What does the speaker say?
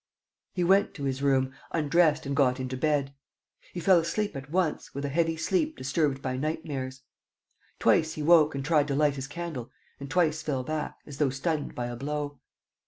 He went to his room, undressed and got into bed. He fell asleep at once, with a heavy sleep disturbed by nightmares. Twice he woke and tried to light his candle and twice fell back, as though stunned by a blow.